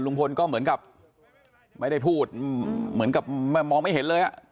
ลุงพลก็เหมือนกับไม่ได้พูดเหมือนกับมองไม่เห็นเลยอ่ะ